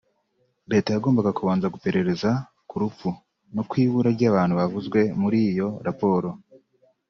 Leta yagombaga kubanza guperereza ku rupfu no ku ibura ry’abantu bavuzwe muri iyo raporo